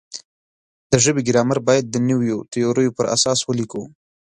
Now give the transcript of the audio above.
د ژبې ګرامر باید د نویو تیوریو پر اساس ولیکو.